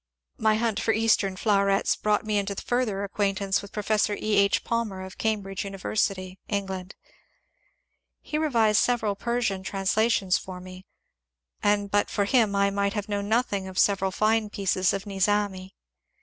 My hunt for Eastern flowerets brought me into further acquaintance with Professor E. H. Palmer of Cambridge University (England). He revised sev eral Persian translations for me, and but for him I might have known nothing of several fine pieces of Nizami.